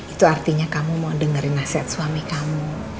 itu artinya kamu mau dengerin nasihat suami kamu